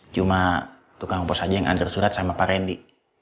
cuma tukang pos aja yang hantar surat sama pak randy